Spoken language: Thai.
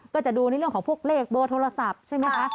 ก็จะดูในเรื่องของพวกเลขเบอร์โทรศัพท์ใช่ไหมคะ